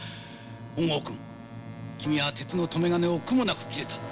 本郷君君は鉄の留め金を苦もなく切れた。